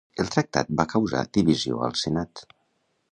El tractat va causar divisió al Senat.